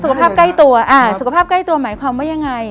สุขภาพใกล้ตัวสุขภาพใกล้ตัวหมายความว่ายังไง